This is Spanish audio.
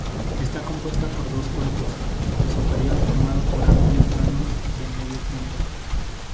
Está compuesta por dos cuerpos, el superior formado por amplios vanos de medio punto.